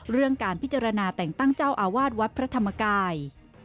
เรื่องการพิจารณาแต่งตั้งเจ้าอาวาสวัดพระธรรมกาย